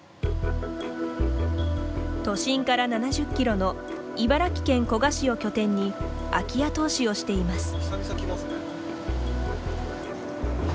都心から７０キロの茨城県古河市を拠点に空き家投資をしています。